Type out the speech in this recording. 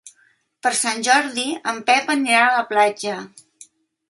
Per Sant Jordi en Pep anirà a la platja.